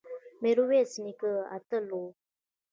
میرویس نیکه اتل و